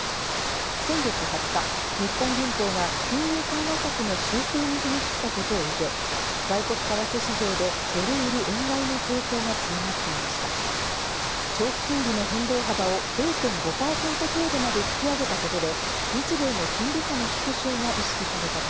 先月２０日、日本銀行が金融緩和策の修正に踏み切ったことを受け、外国為替市場でドル売り円買いの傾向が強まっていました。